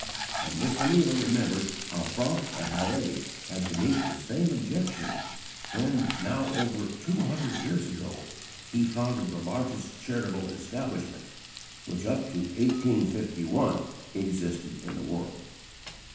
And Mr. Muller remembered how Francke at Halle had to meet the same objection when, now over two hundred years ago, he founded the largest charitable establishment which, up to 1851, existed in the world.